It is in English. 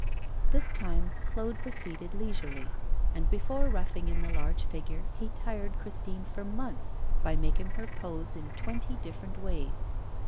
This time Claude proceeded leisurely, and before roughing in the large figure he tired Christine for months by making her pose in twenty different ways.